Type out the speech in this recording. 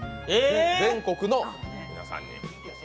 全国の皆さんに。